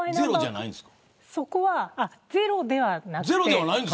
そこはゼロではないです。